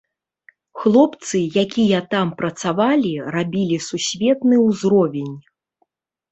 Хлопцы, якія там працавалі, рабілі сусветны ўзровень.